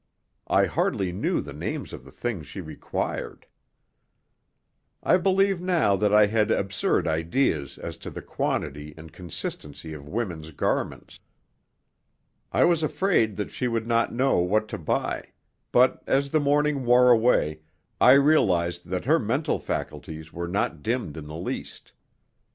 I hardly knew the names of the things she required. I believe now that I had absurd ideas as to the quantity and consistency of women's garments. I was afraid that she would not know what to buy; but, as the morning wore away, I realized that her mental faculties were not dimmed in the least.